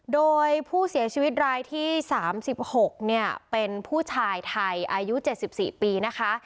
โดยผู้เสียชีวิตรายที่๓๖เป็นผู้ชายไทยอายุ๗๔ปีนะคะ